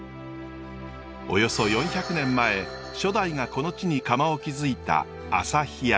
およそ４００年前初代がこの地に窯を築いた朝日焼。